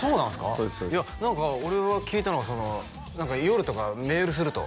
そうですそうですいや何か俺が聞いたのはその何か夜とかメールすると